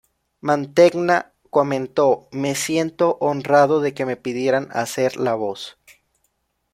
Mantegna comentó "me siento honrado de que me pidieran hacer la voz.